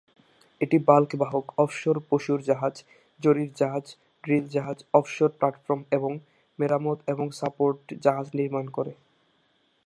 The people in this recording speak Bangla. এটি বাল্ক বাহক, অফশোর পশুর জাহাজ, জরিপ জাহাজ, ড্রিল জাহাজ, অফশোর প্ল্যাটফর্ম এবং মেরামত এবং সাপোর্ট জাহাজ নির্মাণ করে।